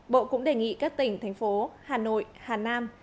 bộ cũng đề nghị các tỉnh thành phố hà nội hà nam